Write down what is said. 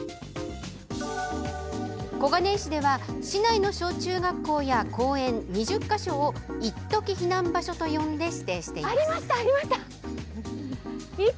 小金井市では市内の小中学校や公園２０か所をいっとき避難場所と呼んで指定しています。